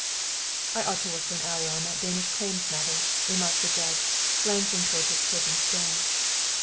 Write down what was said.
"I ought to work for an hour on that Danish claims matter," remarked the Judge, glancing toward his curtained den.